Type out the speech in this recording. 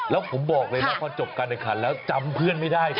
แล้วผมบอกเลยนะพอจบการแข่งขันแล้วจำเพื่อนไม่ได้